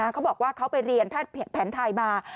เขาบอกว่าเขาไปเรียนแผนไทยมา